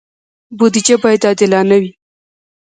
بودجه باید عادلانه وي